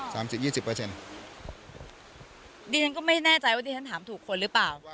ยี่สิบเปอร์เซ็นต์ดิฉันก็ไม่แน่ใจว่าดิฉันถามถูกคนหรือเปล่า